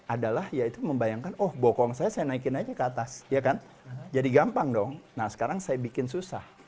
adalah ya itu membayangkan oh bokong saya saya naikin aja ke atas ya kan jadi gampang dong nah sekarang saya bikin susah